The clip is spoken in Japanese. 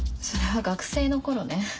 それは学生の頃ね。